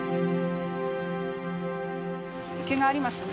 池がありますね。